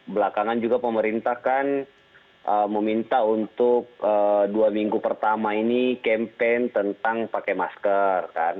belakangan juga pemerintah kan meminta untuk dua minggu pertama ini campaign tentang pakai masker